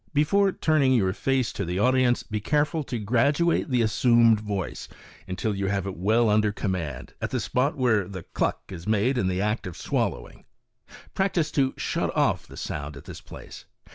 Before turning your face to the audience be careful to graduate the assumed voice until you have it well under com mand, at the spot where the " cluck •' is made in the act of swallowing. Practice to shut off the sound at this place.